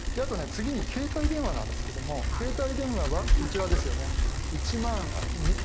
次に携帯電話なんですけども携帯電話はこちらですよね１万２９６円。